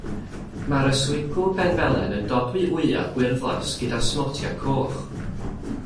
Mae'r yswigw benfelen yn dodwy wyau gwyrddlas gyda smotiau coch.